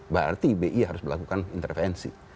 berarti bi harus melakukan intervensi